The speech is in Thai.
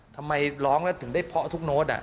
ทำไมร้องแล้วถึงได้เพาะทุกโน้ต